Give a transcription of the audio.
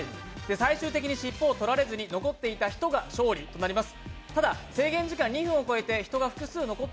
最終的にしっぽを取られずに残っていた人が勝利となります。